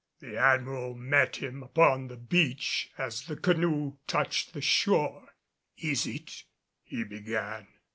The Admiral met him upon the beach as the canoe touched the shore. "Is it ?" he began.